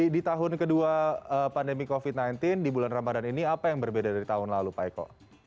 di tahun kedua pandemi covid sembilan belas di bulan ramadan ini apa yang berbeda dari tahun lalu pak eko